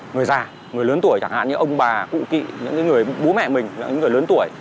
người già người lớn tuổi chẳng hạn như ông bà cụ kỵ những người bố mẹ mình những người lớn tuổi